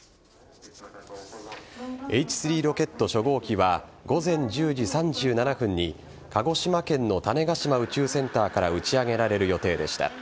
Ｈ３ロケット初号機は午前１０時３７分に鹿児島県の種子島宇宙センターから打ち上げられる予定でした。